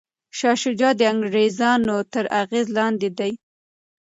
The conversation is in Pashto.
شاه شجاع د انګریزانو تر اغیز لاندې دی.